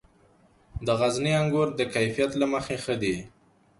د غزني انګور د کیفیت له مخې ښه دي.